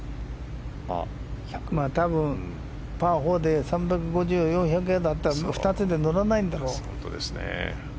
多分パー４で４００ヤードあったら２つで乗らないだろ。